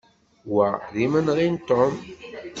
Wa d imenɣi n Tom.